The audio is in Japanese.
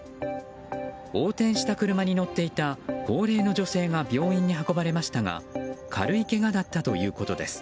横転した車に乗っていた高齢の女性が病院に運ばれましたが軽いけがだったということです。